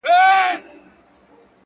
زما پاچا زما له خياله نه وتلی’